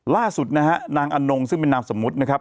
ล่าสุดนะฮะนางอนงซึ่งเป็นนามสมมุตินะครับ